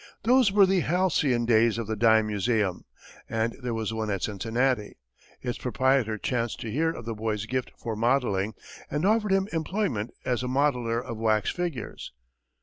Those were the halcyon days of the dime museum, and there was one at Cincinnati. Its proprietor chanced to hear of the boy's gift for modelling, and offered him employment as a modeller of wax figures.